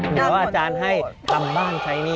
เดี๋ยวอาจารย์ให้ทำบ้านใช้หนี้